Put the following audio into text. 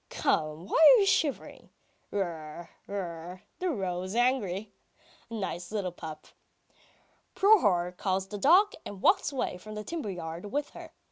... Come, why are you shivering? Rrr ... Rrrr. ... The rogue's angry ... a nice little pup." Prohor calls the dog, and walks away from the timber yard with her.